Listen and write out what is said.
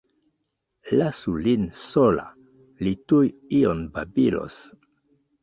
Lasu lin sola, li tuj ion babilos.